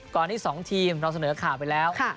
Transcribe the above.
ที่๒ทีมเราเสนอข่าวไปแล้ว